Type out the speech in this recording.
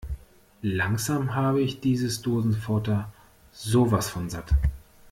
Langsam habe ich dieses Dosenfutter sowas von satt!